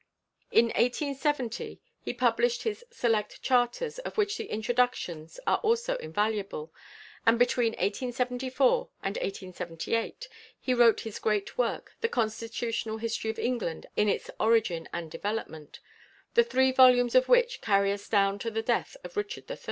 In 1870 he published his "Select Charters," of which the "Introductions" are also invaluable, and between 1874 and 1878 he wrote his great work, "The Constitutional History of England in its Origin and Development," the three volumes of which carry us down to the death of Richard III.